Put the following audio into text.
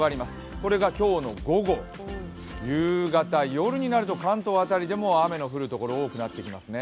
これが今日の午後、夕方、夜になると関東辺りでも雨の降る所多くなってきますね。